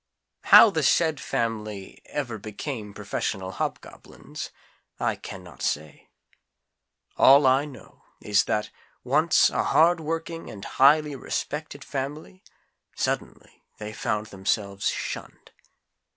How the SAID family ever became professional Hobgoblins, I can not say. All I know is that, once a hardworking and highly respected family, suddenly they found themselves shunned.